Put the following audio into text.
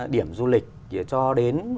điểm du lịch cho đến